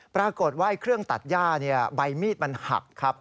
ปรากฏว่าเครื่องตัดย่าใบมีดมันหักครับ